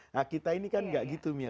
nah kita ini kan enggak gitu mila